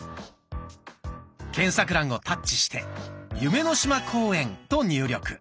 検索欄をタッチして「夢の島公園」と入力。